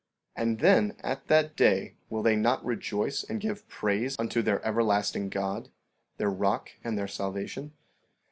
15:15 And then at that day will they not rejoice and give praise unto their everlasting God, their rock and their salvation?